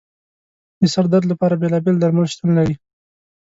د سر درد لپاره بېلابېل درمل شتون لري.